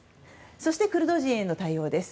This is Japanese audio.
そして、クルド人への対応です。